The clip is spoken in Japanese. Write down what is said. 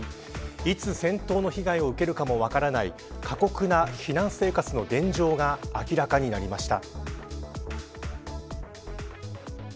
いつ戦闘の被害を受けるかも分からない過酷な避難生活の現状が明らかになりました。